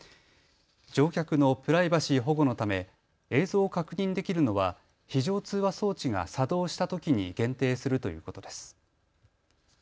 乗客のプライバシー保護のため映像を確認できるのは非常通話装置が作動したときに限定するということです。